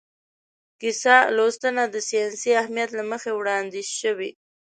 کیسه لوستنه د ساینسي اهمیت له مخې وړاندیز شوې.